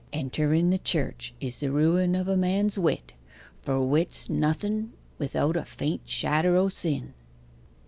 Enteren the Church is the ruin of a man's wit for wit's nothen without a faint shadder o' sin.